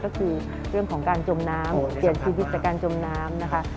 ก็คือเรื่องของการจมน้ำเสียชีวิตจากการจมน้ำนะคะ